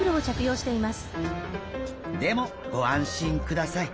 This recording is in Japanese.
でもご安心ください。